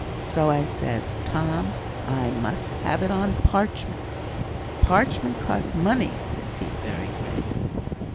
So says I, 'Tom! I mun have it on parchment.' 'Parchment costs money,' says he, very grave.